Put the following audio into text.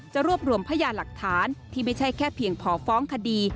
รวบรวมพยานหลักฐานที่ไม่ใช่แค่เพียงพอฟ้องคดี